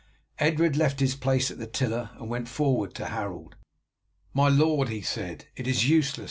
Edred left his place at the tiller and went forward to Harold. "My lord," he said, "it is useless.